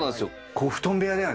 ここ布団部屋だよね。